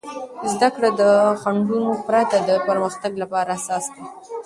زده کړه د خنډونو پرته د پرمختګ لپاره اساس دی.